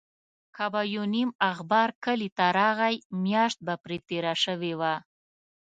که به یو نیم اخبار کلي ته راغی، میاشت به پرې تېره شوې وه.